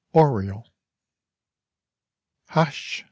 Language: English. ORIOLE. Hush!